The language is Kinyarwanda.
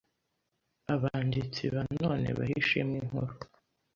abanditsi ba none baha ishimwe Inkuru